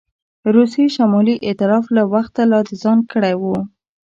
روسیې شمالي ایتلاف له وخته لا د ځان کړی وو.